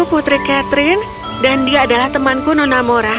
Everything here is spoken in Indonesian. aku putri catherine dan dia adalah temanku nonnamora